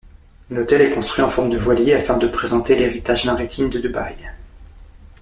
L’hôtel est construit en forme de voilier afin de présenter l’héritage maritime de Dubaï.